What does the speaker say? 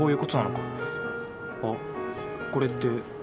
あこれって。